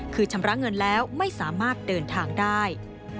คือชำระเงินแล้วไม่สามารถเดินทางได้